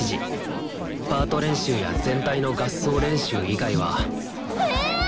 パート練習や全体の合奏練習以外はえっ！